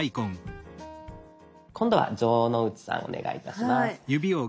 今度は城之内さんお願いいたします。